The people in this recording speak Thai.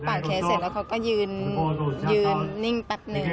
เคสเสร็จแล้วเขาก็ยืนนิ่งแป๊บนึง